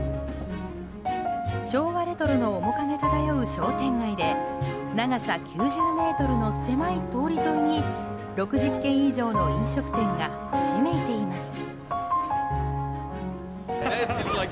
昭和レトロの面影漂う商店街で長さ９０ｍの狭い通り沿いに６０軒以上の飲食店がひしめいています。